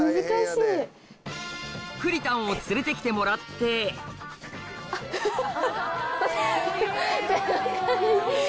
くりたんを連れてきてもらってハハハ！